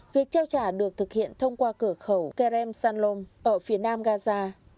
việc trao trả được thực hiện thông qua cửa khẩu kerem sanlom ở phía nam gaza